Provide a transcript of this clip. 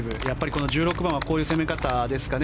１６番はこういう攻め方ですかね。